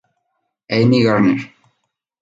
Amy Gardner.